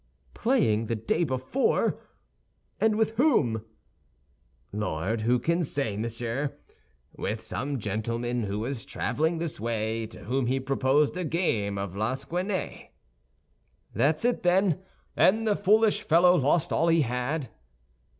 "Playing the day before! And with whom?" "Lord, who can say, monsieur? With some gentleman who was traveling this way, to whom he proposed a game of lansquenet." "That's it, then, and the foolish fellow lost all he had?"